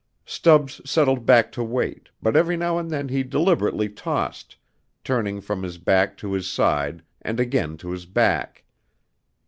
Stubbs settled back to wait, but every now and then he deliberately tossed, turning from his back to his side and again to his back.